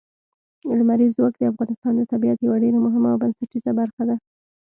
لمریز ځواک د افغانستان د طبیعت یوه ډېره مهمه او بنسټیزه برخه ده.